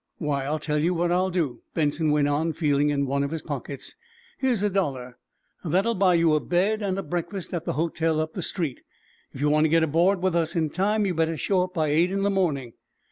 "Why, I'll tell you what I'll do," Benson went on, feeling in one of his pockets. "Here's a dollar. That'll buy you a bed and a breakfast at the hotel up the street. If you want to get aboard with us in time, you'd better show up by eight in the morning."